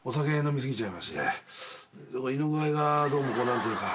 胃の具合がどうも何ていうか。